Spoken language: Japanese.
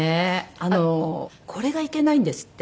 あのこれがいけないんですって。